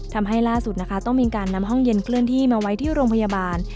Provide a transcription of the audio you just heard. ทำให้ล่าสุดนะคะต้องมีการนำห้องเย็นเคลื่อนที่มาไว้ที่โรงพยาบาล